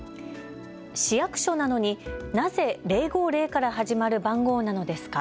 市役所なのに、なぜ０５０から始まる番号なのですか。